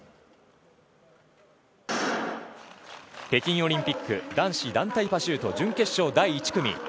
北京オリンピック男子団体パシュート準決勝第１組。